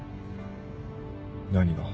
何が？